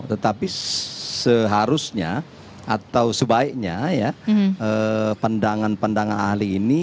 tetapi seharusnya atau sebaiknya ya pandangan pandangan ahli ini